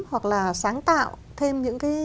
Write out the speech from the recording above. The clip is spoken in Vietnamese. hoặc là sáng tạo thêm những cái